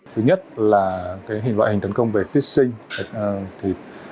thứ nhất là loại hình tấn công về phí sinh